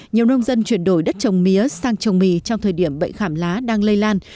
nhiều nông dân chuyển đổi đất trồng mía sang trồng mì trong thời điểm bệnh khảm lá đang lây lan